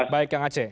baik ya nga che